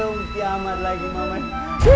oh kiamat lagi pak mai